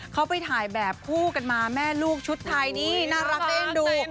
เขาไปถ่ายแบบคู่กันมาแม่ลูกชุดไทยนี่น่ารักน่าเอ็นดู